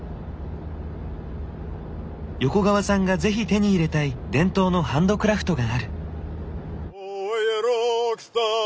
横川さんがぜひ手に入れたい伝統のハンドクラフトがある。